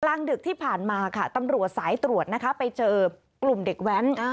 กลางดึกที่ผ่านมาค่ะตำรวจสายตรวจนะคะไปเจอกลุ่มเด็กแว้น